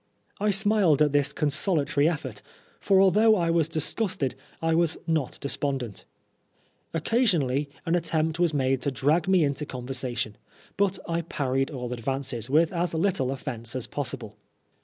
I smiled at this consolatory effort, for although I was disgusted, I was not despondent. Occasionally an attempt was made to drag me into conversation, but I parried all advances with as little offence as possible.